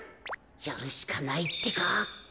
やるしかないってか。